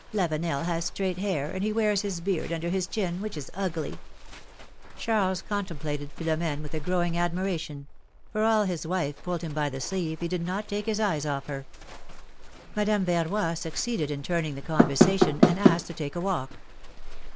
Lavenel has straight hair, and he AA^ears his beard under his chin, which is ugly." 66 philomi^ne's marriages. Charles contemplated Philom^ne with a growing admi ration ; for all his wife pulled him by the sleeve, he did not take his eyes off her. Madame Yerroy succeeded in turning the conversation, and asked to take a walk.